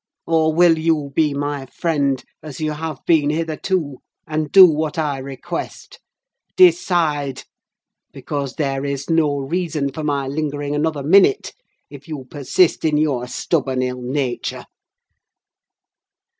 Or will you be my friend, as you have been hitherto, and do what I request? Decide! because there is no reason for my lingering another minute, if you persist in your stubborn ill nature!"